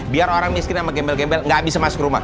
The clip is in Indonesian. biar orang miskin sama gembel gembel nggak bisa masuk rumah